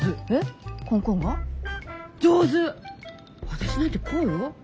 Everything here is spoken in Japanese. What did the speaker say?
私なんてこうよ。ほら。